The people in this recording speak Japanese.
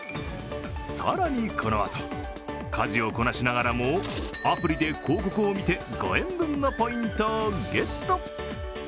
更に、このあと家事をこなしながらもアプリで広告を見て、５円分のポイントをゲット。